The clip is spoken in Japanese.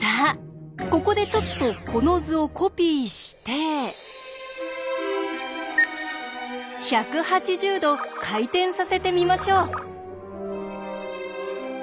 ここでちょっとこの図をコピーして１８０°回転させてみましょう。